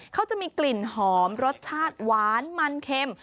เขาจะมีกลิ่นหอมรสชาติหวานมันเค็ม